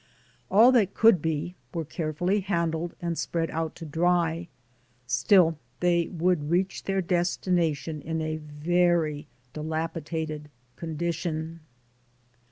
All that could be, were carefully handled and spread out to dry; still, they would reach their destination in a very dilapidated con dition.